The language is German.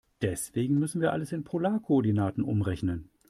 Deswegen müssen wir alles in Polarkoordinaten umrechnen.